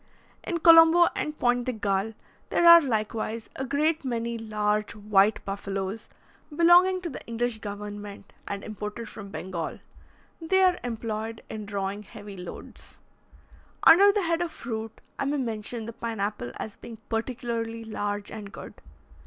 In Colombo and Pointe de Galle there are likewise a great many large white buffaloes, belonging to the English government, and imported from Bengal. They are employed in drawing heavy loads. Under the head of fruit, I may mention the pine apple as being particularly large and good.